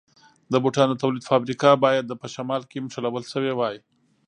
د بوټانو د تولید فابریکه باید په شمال کې نښلول شوې وای.